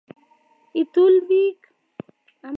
itul beek